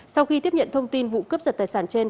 sau khi tiếp nhận thông tin vụ cướp giật tài sản trên